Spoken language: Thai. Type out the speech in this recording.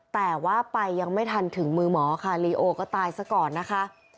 แต่ว่าไปยังไม่ทันถึงมือหมอค่ะลีโอก็ตายซะก่อนนะคะ